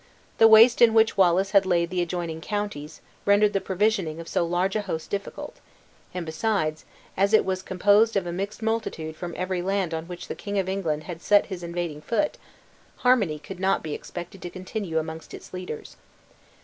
The waste in which Wallace had laid the adjoining counties, rendered the provisioning of so large a host difficult; and besides, as it was composed of a mixed multitude from every land on which the King of England had set his invading foot, harmony could not be expected to continue amongst its leaders.